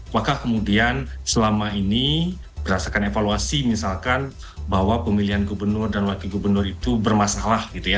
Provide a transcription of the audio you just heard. maka kemudian selama ini berdasarkan evaluasi misalkan bahwa pemilihan gubernur dan wakil gubernur itu bermasalah gitu ya